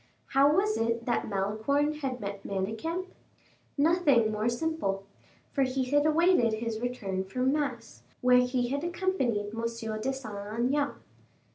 How was it that Malicorne had met Manicamp? Nothing more simple, for he had awaited his return from mass, where he had accompanied M. de Saint Aignan.